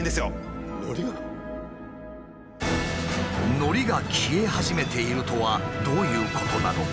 のりが消え始めているとはどういうことなのか？